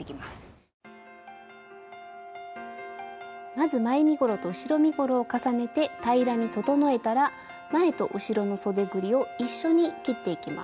まず前身ごろと後ろ身ごろを重ねて平らに整えたら前と後ろのそでぐりを一緒に切っていきます。